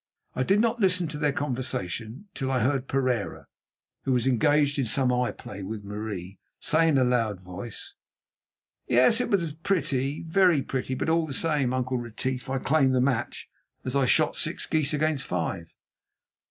I did not listen to their conversation, till I heard Pereira, who was engaged in some eye play with Marie, say in a loud voice: "Yes, it was pretty, very pretty, but all the same, Uncle Retief, I claim the match, as I shot six geese against five."